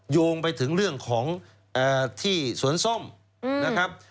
โยงไปถึงเรื่องของที่สวนส้มนะครับ